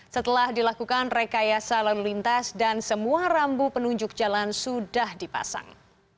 setelah dilakukan rekayasa lalu lintas dan semua rambu penunjuk jalan sudah dipasang